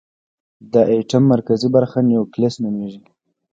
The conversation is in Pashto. د ایټم مرکزي برخه نیوکلیس نومېږي.